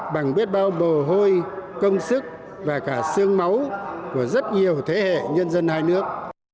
bằng biết bao bồ hôi công sức và cả xương máu của rất nhiều thế hệ nhân dân hai nước